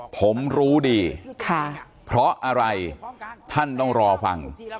ผมรู้ดีค่ะเพราะอะไรท่านต้องรอฟัง